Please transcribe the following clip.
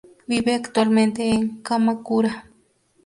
Vive actualmente en Kamakura.